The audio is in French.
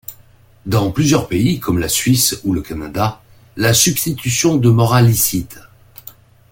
Dans plusieurs pays comme la Suisse ou le Canada, la substitution demeura licite.